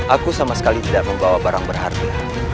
aku sama sekali tidak membawa barang berharga